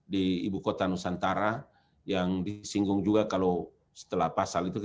di ibu kota nusantara yang disinggung juga kalau setelah pasal itu